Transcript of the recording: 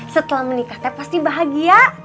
setelah menikah pasti bahagia